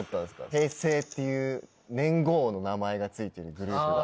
「平成」っていう年号の名前が付いてるグループは。